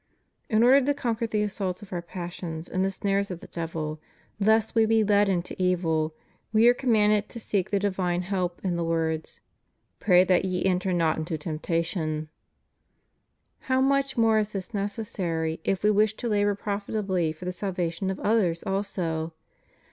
In order to con quer the assaults of our passions and the snares of the devil, lest we be led into evil, we are commanded to seek the divine help in the words. Pray that ye enter not into temptation} How much more is this necessary if we wish to labor profitably for the salvation of others also!